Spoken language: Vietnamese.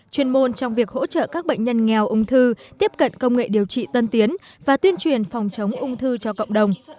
chuyên môn trong việc hỗ trợ các bệnh nhân nghèo ung thư tiếp cận công nghệ điều trị tân tiến và tuyên truyền phòng chống ung thư cho cộng đồng